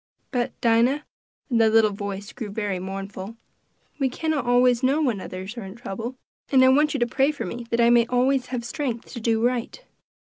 But, Dinah," and the little voice grew very mournful "we cannot always know when others are in trouble; and I want you to pray for me that I may always have strength to do right."